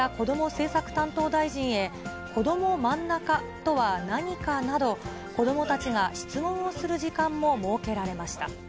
政策担当大臣へ、こどもまんなかとは何かなど、子どもたちが質問をする時間も設けられました。